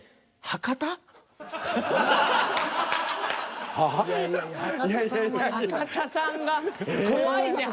博多さんが怖いねん。